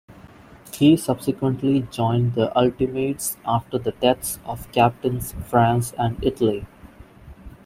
He subsequently joined the Ultimates after the deaths of Captains France and Italy.